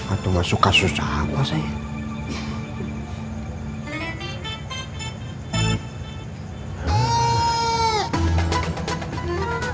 atau gak suka susah apa sih